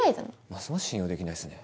ますます信用できないっすね。